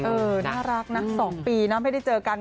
น่ารักนะ๒ปีนะไม่ได้เจอกัน